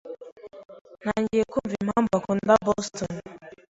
Ntangiye kumva impamvu akunda Boston.